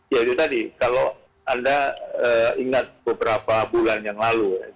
ya itu tadi kalau anda ingat beberapa bulan yang lalu